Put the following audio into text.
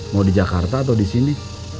mau di jakarta atau disini